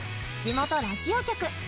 地元ラジオ局